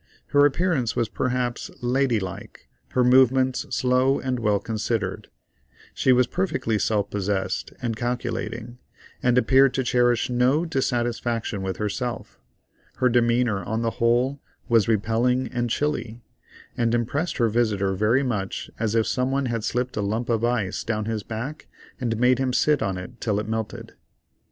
Her appearance was perhaps lady like, her movements slow and well considered. She was perfectly self possessed and calculating, and appeared to cherish no dissatisfaction with herself. Her demeanor, on the whole, was repelling and chilly, and impressed her visitor very much as if some one had slipped a lump of ice down his back and made him sit on it till it melted.